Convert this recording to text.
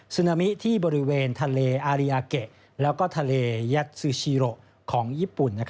นามิที่บริเวณทะเลอารีอาเกะแล้วก็ทะเลยักซูชิโรของญี่ปุ่น